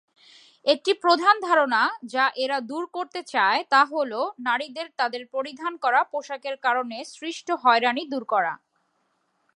একটি প্রধান ধারণা যা এরা দূর করতে চায় তা হ'ল নারীদের তাদের পরিধান করা পোশাকের কারণে সৃষ্ট হয়রানি দূর করা।